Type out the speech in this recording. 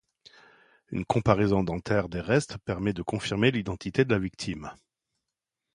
Une comparaison dentaires des restes permet de confirmer l'identité de la victime.